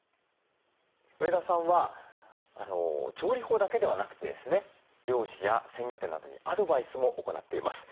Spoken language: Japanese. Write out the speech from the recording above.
上田さんは調理法だけではなくてですね漁師や鮮魚店などにアドバイスも行っています。